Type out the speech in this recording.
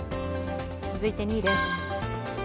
続いて２位です。